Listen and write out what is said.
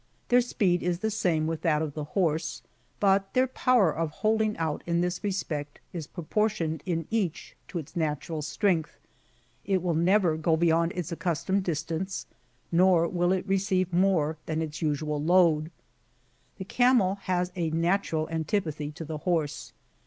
Their speed is the same with that of the horse, but their power of holdiag out in this respect is proportioned in each to its natural strength : it will never go beyond its accustomed distance, nor will it receive more than its usual load. The camel has a natural antipathy to the horse.